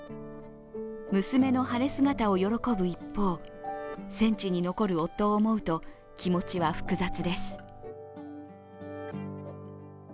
娘の晴れ姿を喜ぶ一方、戦地に残る夫を思うと気持ちは複雑です。